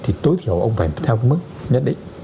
thì tối thiểu ông phải theo mức nhất định